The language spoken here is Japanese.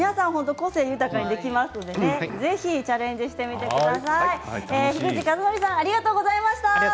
個性豊かにできますのでぜひチャレンジしてみてください。